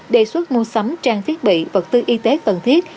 đề xuất mua sắm trang thiết bị vật tư y tế cần thiết